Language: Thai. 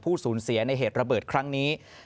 สูญเสียในเหตุระเบิดครั้งนี้